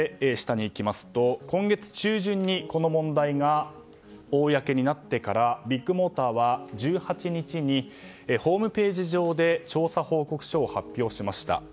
今月中旬にこの問題が公になってからビッグモーターは１８日にホームページ上で調査報告書を発表しました。